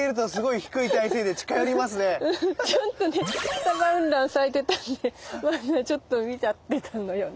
ツタバウンラン咲いてたんでこれねちょっと見ちゃってたのよね。